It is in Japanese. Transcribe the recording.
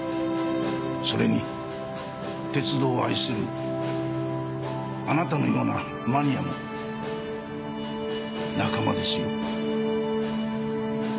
それに鉄道を愛するあなたのようなマニアも仲間ですよ。